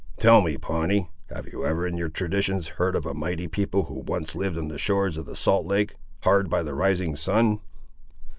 Tell me, Pawnee, have you ever in your traditions heard of a mighty people who once lived on the shores of the Salt lake, hard by the rising sun?"